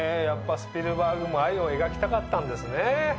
やっぱスピルバーグも愛を描きたかったんですね。